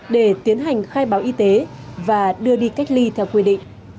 để tiến hành khai báo y tế và đưa đi cách ly theo quy định